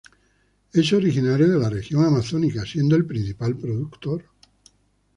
Es originario de la región amazónica, siendo el principal productor.